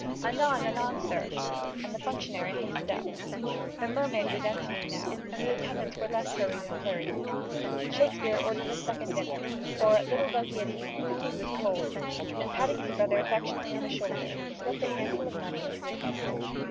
"Anon, anon, Sir!" and that functionary hastened up. The Mermaid was emptying now, and the attendants were less hurried and flurried. Shakespeare ordered in a second dinner for, little though he had eaten, the food was cold: and, patting his brother affectionately on the shoulder, slipped a handful of money into his hand.